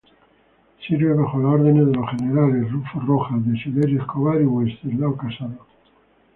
Sirve bajo las órdenes de los generales Rufo Rojas, Desiderio Escobar y Wenceslao Casado.